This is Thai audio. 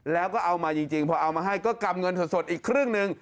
แล้วก็เอามาจริงพอเอามาให้ก็กำเงินสดอีกครึ่งหนึ่ง